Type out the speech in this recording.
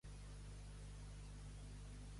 A rodolons.